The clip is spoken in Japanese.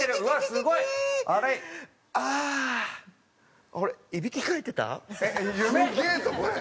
すげえぞこれ！